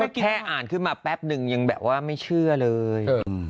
แค่อ่านขึ้นมาแป๊บนึงยังแบบว่าไม่เชื่อเลย